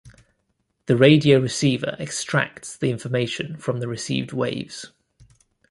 The radio receiver extracts the information from the received waves.